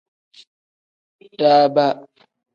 Daaba.